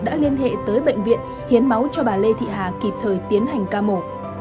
đã liên hệ tới bệnh viện hiến máu cho bà lê thị hà kịp thời tiến hành ca mổ